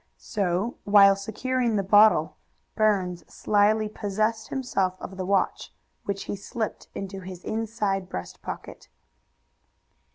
So, while securing the bottle, Burns slyly possessed himself of the watch, which he slipped into his inside breast pocket.